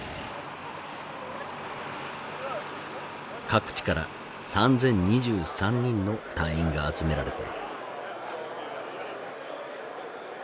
各地から３，０２３人の隊員が集められた。